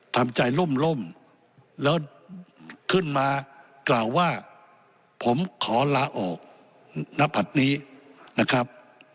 ทำใจล่มแล้วขึ้นมากล่าวว่าผมขอลาออกณผัดนี้นะครับ